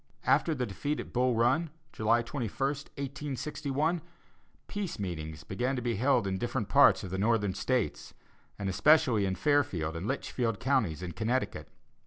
After the defeat at Bull Run, July 21, 1861, "peace meetings" began to be held in different parts of the Northern States, and especially in Fairfield and Litchfield Counties, in Connecticut.